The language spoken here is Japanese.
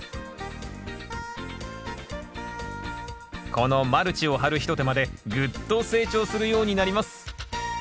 このマルチを張る一手間でぐっと成長するようになります。